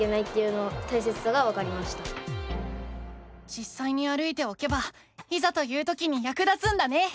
じっさいに歩いておけばいざという時にやく立つんだね。